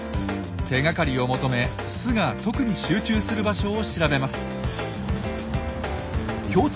手がかりを求め巣が特に集中する場所を調べます。